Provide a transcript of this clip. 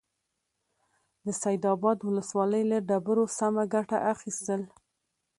د سيدآباد ولسوالۍ له ډبرو سمه گټه اخيستل: